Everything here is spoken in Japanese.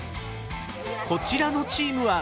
こちらのチームは。